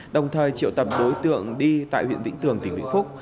đồng thời triệu tập đối tượng đi tại huyện vĩnh tường tỉnh vĩnh phúc